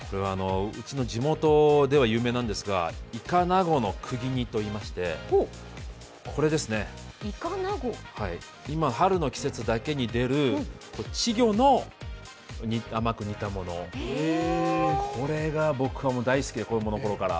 うちの地元では有名なんですがイカナゴのくぎ煮といいまして、今春の季節だけに出る稚魚の甘く煮たもの、これが僕は大好きで、子供のころから。